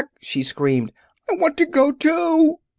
she screamed. "I want to go, too!"